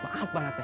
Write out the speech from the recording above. maaf banget nih